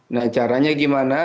nah caranya gimana